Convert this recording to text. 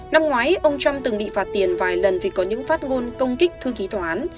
năm ngoái ông trump từng bị phạt tiền vài lần vì có những phát ngôn công kích thư ký